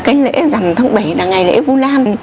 cái lễ rằm tháng bảy là ngày lễ vua lan